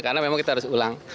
karena memang kita harus ulang